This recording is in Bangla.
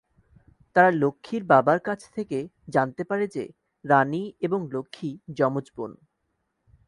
তারা লক্ষ্মীর বাবার কাছ থেকে জানতে পারে যে রানী এবং লক্ষ্মী যমজ বোন।